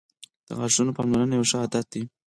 • د غاښونو پاملرنه یو ښه عادت دی.